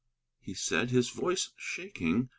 he said, his voice shaking.